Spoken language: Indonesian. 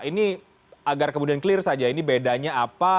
ini agar kemudian clear saja ini bedanya apa